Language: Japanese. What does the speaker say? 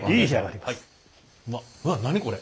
うわっ何これ。